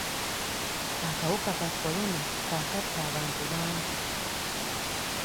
Akawuka ka Corona kaakatta abantu bangi.